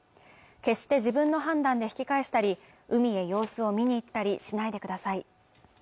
決して自分の判断で引き返したり、海へ様子を見に行ったりしないでください。